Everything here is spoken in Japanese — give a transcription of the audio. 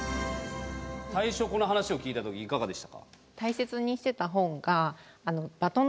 最初この話を聞いた時いかがでしたか？